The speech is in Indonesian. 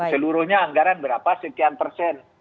seluruhnya anggaran berapa sekian persen